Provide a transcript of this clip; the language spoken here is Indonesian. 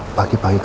apa udah baik kan